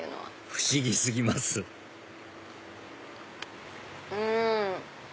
不思議過ぎますうん！